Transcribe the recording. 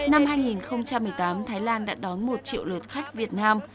năm hai nghìn một mươi tám thái lan đã đón một triệu lượt khách việt nam